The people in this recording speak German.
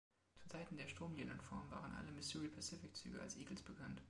Zu Zeiten der Stromlinienform waren alle "Missouri Pacific"-Züge als Eagles bekannt.